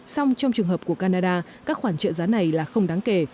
xong trong trường hợp của canada các khoản trợ giá này là không đáng kể